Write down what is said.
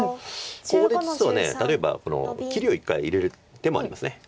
ここで実は例えば切りを一回入れる手もあります。